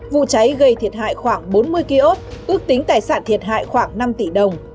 vụ cháy gây thiệt hại khoảng bốn mươi kiosk ước tính tài sản thiệt hại khoảng năm tỷ đồng